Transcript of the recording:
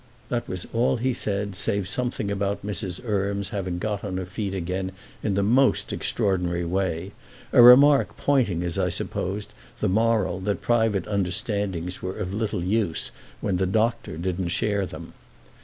That was all he said save something about Mrs. Erme's having got on her feet again in the most extraordinary way—a remark pointing, as I supposed, the moral that private understandings were of little use when the doctor didn't share them.